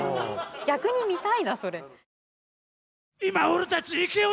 逆に見たいなそれＷＯＷ